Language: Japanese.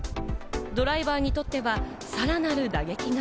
ドライバーにとっては、さらなる打撃が。